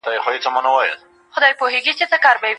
ایا تولستوی ډېر کتابونه لیکلي دي؟